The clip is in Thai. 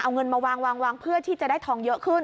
เอาเงินมาวางวางเพื่อที่จะได้ทองเยอะขึ้น